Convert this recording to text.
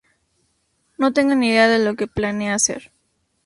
No tengo ni idea de lo que planea hacer.